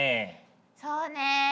そうね